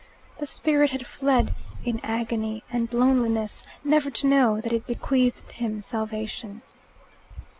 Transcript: The spirit had fled, in agony and loneliness, never to know that it bequeathed him salvation.